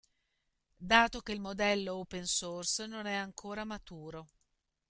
Dato che il modello open source non è ancora maturo.